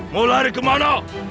mau lari kemana